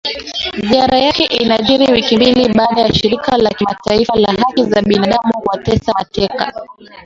Ziara yake inajiri wiki mbili baada ya shirika la kimataifa la haki za binadamu kuwatesa mateka